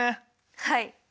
はい。